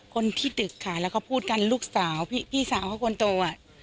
คนที่ตึกค่ะแล้วก็พูดกันลูกสาวพี่สาวเขาคนโตอ่ะ